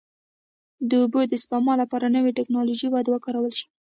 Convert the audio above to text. د اوبو د سپما لپاره نوې ټکنالوژي باید وکارول شي.